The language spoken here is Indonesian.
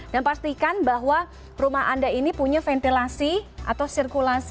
dan pastikan bahwa rumah anda ini punya ventilasi atau sirkulasi